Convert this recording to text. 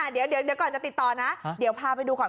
เดี๋ยวก่อนจะติดต่อนะเดี๋ยวพาไปดูก่อน